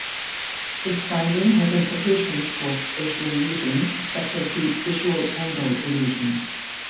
This finding has implications for spatial illusions such as the visual angle illusion.